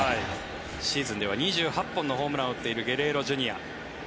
シーズンでは２８本のホームランを打っているゲレーロＪｒ．。